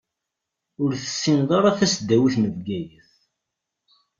Ur tessineḍ ara tasdawit n Bgayet.